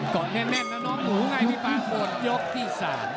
เกาะแน่แล้วน้องหนูไงพี่ปานปรวดยกที่๓